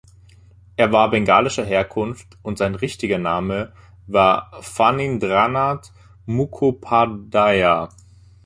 Er war bengalischer Herkunft und sein richtiger Name war Fanindranath Mukhopadhaya.